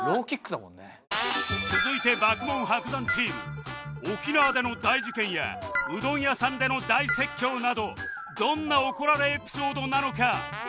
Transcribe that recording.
続いて爆問・伯山チーム沖縄での大事件やうどん屋さんでの大説教などどんな怒られエピソードなのか？